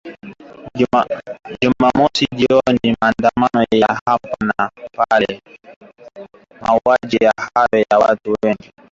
Jumamosi jioni maandamano ya hapa na pale yalizuka miongoni mwa wa-shia katika ufalme wa karibu huko nchini Bahrain, kuhusiana na mauaji hayo ya watu wengi